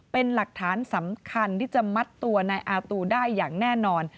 เป็นหลักฐานสำคัญที่จะมัดตัวนายอาตูได้อย่างแน่นอน